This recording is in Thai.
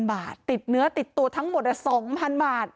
บาทติดเนื้อติดตัวทั้งหมด๒๐๐๐บาท